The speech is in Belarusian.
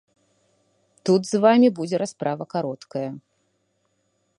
Тут з вамі будзе расправа кароткая.